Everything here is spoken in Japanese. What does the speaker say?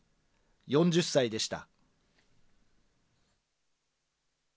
４０歳でした。